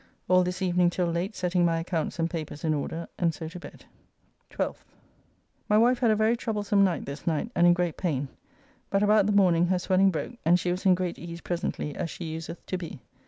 All this evening till late setting my accounts and papers in order, and so to bed. 12th. My wife had a very troublesome night this night and in great pain, but about the morning her swelling broke, and she was in great ease presently as she useth to be.